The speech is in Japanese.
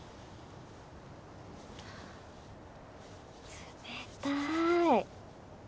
冷たい。